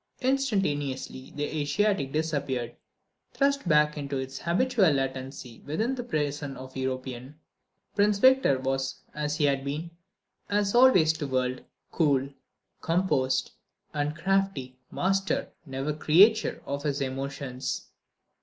Instantaneously the Asiatic disappeared, thrust back into its habitual latency within the prison of European: Prince Victor was as he had been, as always to the world, cool, composed, and crafty, master, never creature, of his emotions.